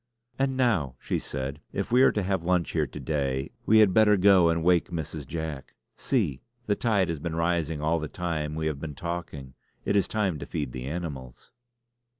"And now," she said "if we are to have lunch here to day we had better go and wake Mrs. Jack. See! the tide has been rising all the time we have been talking. It is time to feed the animals."